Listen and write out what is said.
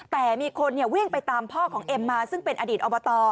แต่มีคนวิ่งไปตามพ่อของเอ็มมาซึ่งเป็นอดีตอบต